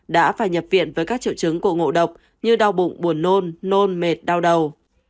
đã phải nhập viện với các triệu chứng của ngộ độc như đau bụng buồn nôn nôn mệt đau đầu